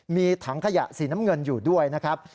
มีถังขยะสีน้ำเงินอยู่ด้วยนะครับ